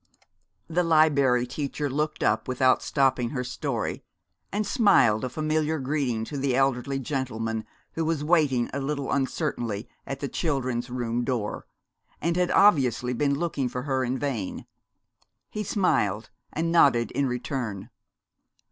The Liberry Teacher looked up without stopping her story, and smiled a familiar greeting to the elderly gentleman, who was waiting a little uncertainly at the Children's Room door, and had obviously been looking for her in vain. He smiled and nodded in return.